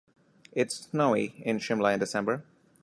It's snowy in Shimla in December.